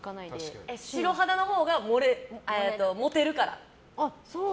白肌のほうがモテるから。